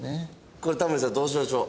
これタモリさんどうしましょう？